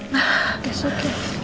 nah itu baik